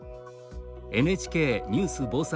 「ＮＨＫニュース・防災」